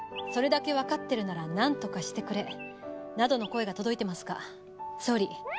「それだけわかってるならなんとかしてくれ」などの声が届いてますが総理。